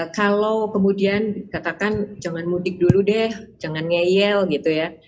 kalau kemudian katakan jangan mudik dulu deh jangan ngeyel gitu ya